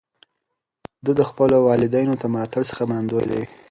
ده د خپلو والدینو د ملاتړ څخه منندوی دی.